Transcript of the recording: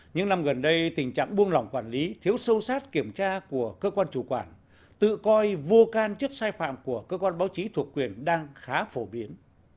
những năm gần đây tình trạng buông lỏng quản lý thiếu sâu sát kiểm tra của cơ quan chủ quản tự coi vô can trước sai phạm của cơ quan báo chí thuộc quyền đang khá phổ biến